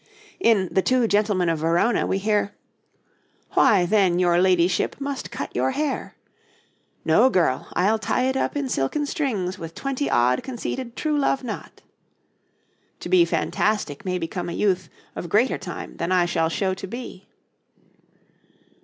In 'The Two Gentlemen of Verona' we hear: 'Why, then, your ladyship must cut your hair.' 'No, girl; I'll tie it up in silken strings With twenty odd conceited true love knot; To be fantastic may become a youth Of greater time than I shall show to be.'